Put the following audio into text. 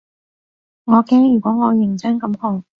我驚如果我認真咁學